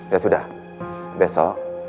ya sudah besok